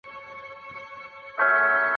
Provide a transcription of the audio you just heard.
他的研究主要在现代法语的文法。